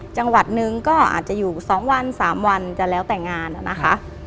จังหวัดหนึ่งก็อาจจะอยู่๒วัน๓วันจะแล้วแต่งานนะคะ